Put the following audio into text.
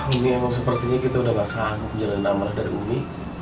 umi emang sepertinya kita udah gak sanggup jalan aman dari umi